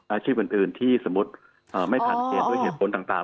อาชีพอื่นที่สมมุติไม่ผ่านเกณฑ์ด้วยเหตุผลต่าง